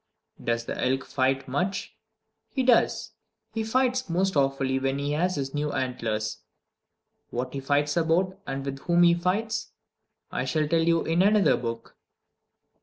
Does the elk fight much? He does! He fights most awfully when he has his new antlers. What he fights about, and with whom he fights, I shall tell you in another book.